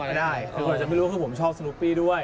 ไม่ได้คนจะไม่รู้ว่าผมชอบสนุปปี้ด้วย